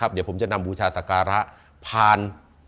เดี๋ยวผมจะนำบูชาศักระผ่าน